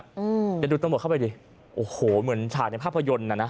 เดี๋ยวดูตำรวจเข้าไปดิโอ้โหเหมือนฉากในภาพยนตร์น่ะนะ